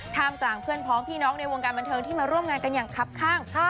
ท่ามกลางเพื่อนพรองพี่น้องในวงการบรรเทิร์นที่มาร่วมงานกันอย่างครับคร่าง